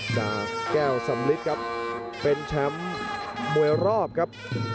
ดาบแก้วสำลิดครับเป็นแชมป์มวยรอบครับ